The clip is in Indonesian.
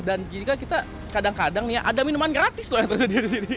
dan juga kita kadang kadang ada minuman gratis loh yang tersedia disini